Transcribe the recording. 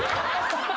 ハハハハ！